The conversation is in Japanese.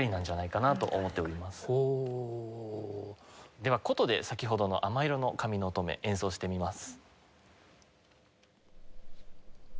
では箏で先ほどの『亜麻色の髪のおとめ』演奏してみます。